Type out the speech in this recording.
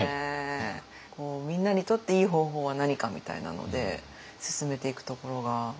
みんなにとっていい方法は何かみたいなので進めていくところが。